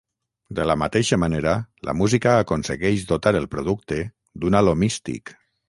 De la mateixa manera, la música aconsegueix dotar el producte d'un halo místic.